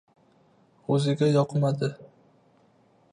O‘ziga yoqmadi.